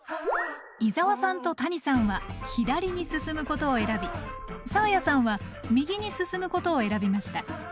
伊沢さんと谷さんは左に進むことを選びサーヤさんは右に進むことを選びました。